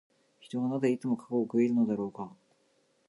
人はなぜ、いつも過去を悔いるのだろうか。